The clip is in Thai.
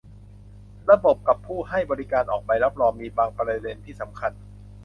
ระบบกับผู้ให้บริการออกใบรับรอง มีบางประเด็นที่สำคัญ